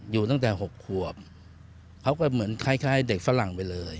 อยู่ตั้งแต่๖ขวบเขาก็เหมือนคล้ายเด็กฝรั่งไปเลย